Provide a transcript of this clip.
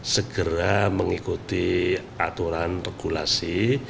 segera mengikuti aturan regulasi